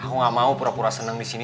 aku gak mau pura pura seneng disini